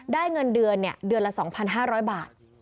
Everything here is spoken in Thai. ได้เงินเดือนเนี่ยเดือนละ๒๕๐๐บาท